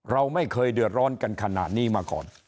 เราไม่เคยเดือดร้อนกันขนาดนี้มาก่อน